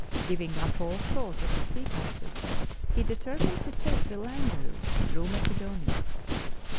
Giving up all thought of the sea passage, he determined to take the land route through Macedonia.